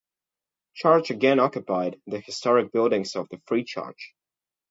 Church again occupied the historic buildings of the Free Church.